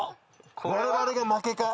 我々が負けか？